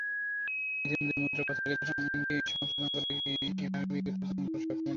ইতিমধ্যে মুদ্রা পাচারসংক্রান্ত আইনটি সংশোধন করে এনবিআরকে তদন্ত করার ক্ষমতা দেওয়া হয়েছে।